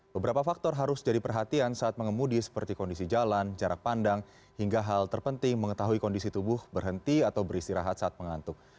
beberapa faktor harus jadi perhatian saat mengemudi seperti kondisi jalan jarak pandang hingga hal terpenting mengetahui kondisi tubuh berhenti atau beristirahat saat mengantuk